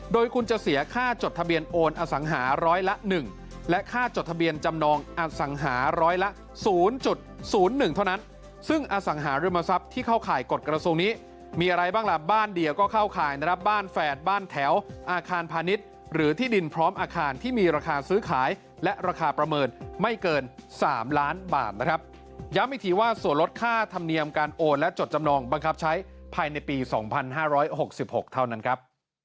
โดยคุณจะเสียค่าจดทะเบียนโอนอสังหาร้อยละ๑และค่าจดทะเบียนจำนองอสังหาร้อยละ๐๐๑เท่านั้นซึ่งอสังหาริมทรัพย์ที่เข้าขายกฎกระทรวมนี้มีอะไรบ้างล่ะบ้านเดียวก็เข้าขายนะครับบ้านแฝดบ้านแถวอาคารพาณิชย์หรือที่ดินพร้อมอาคารที่มีราคาซื้อขายและราคาประเมินไม่เกิน๓ล้านบาทนะครับ